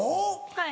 はい。